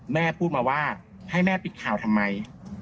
แม่พูดมาว่าให้แม่ปิดข่าวทำไม